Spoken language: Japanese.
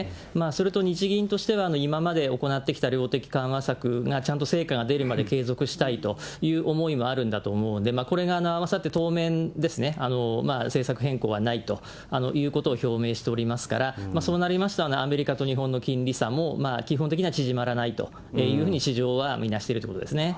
それと日銀としては、今まで行ってきた量的緩和策がちゃんと成果が出るまで継続したいという思いもあるんだと思うので、これが合わさって当面ですね、政策変更はないということを表明しておりますから、そうなりましたら、アメリカと日本の金利差も基本的には縮まらないというふうに、市場は見なしてるということですね。